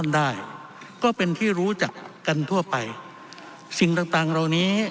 ได้ก็เป็นที่รู้จักกันทั่วไปสิ่งต่างต่างเหล่านี้